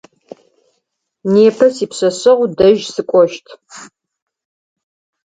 Непэ сипшъэшъэгъу дэжь сыкӏощт.